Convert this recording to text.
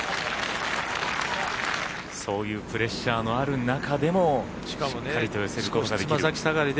そういうプレッシャーのある中でもしっかりと寄せることができる。